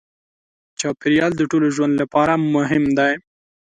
چاپېریال د ټولو ژوند لپاره مهم دی.